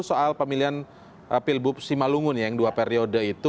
soal pemilihan pilbub simalungun yang dua periode itu